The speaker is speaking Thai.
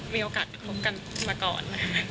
มีโอกาสคบกันมาก่อน